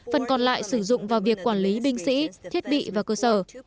phần còn lại sử dụng vào việc quản lý binh sĩ thiết bị và cơ sở